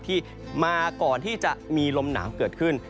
ที่มาก่อนที่จะมีลมหนาวเกิดขึ้น